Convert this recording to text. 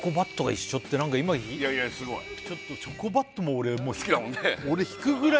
ちょっとチョコバットも俺好きだもんね